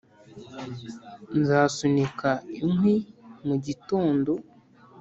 nzasunika inkwi mu gitondo